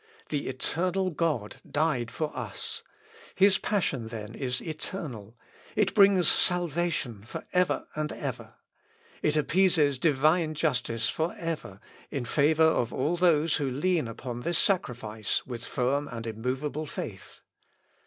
The eternal God died for us: His passion then is eternal: it brings salvation for ever and ever: it appeases divine justice for ever in favour of all those who lean upon this sacrifice with firm and immovable faith."